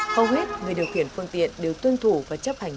hầu hết người điều khiển phương tiện đều tuân thủ và chấp hành